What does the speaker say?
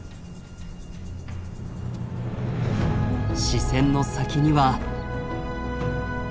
視線の先には。